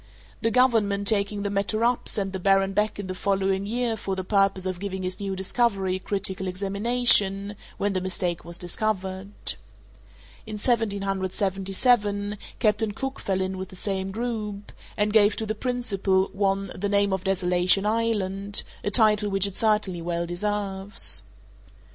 The government, taking the matter up, sent the baron back in the following year for the purpose of giving his new discovery a critical examination, when the mistake was discovered. In 1777, Captain Cook fell in with the same group, and gave to the principal one the name of Desolation Island, a title which it certainly well deserves.